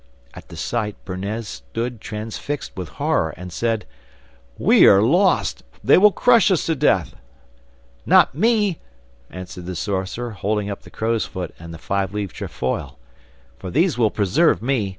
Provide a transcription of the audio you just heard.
At the sight Bernez stood transfixed with horror, and said, 'We are lost! They will crush us to death.' 'Not me!' answered the sorcerer, holding up the crowsfoot and the five leaved trefoil, 'for these will preserve me.